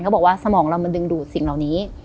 เขาบอกว่าสมองเรามันดึงดูดสิ่งเหล่านี้